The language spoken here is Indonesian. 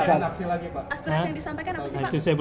sudah sudah cukup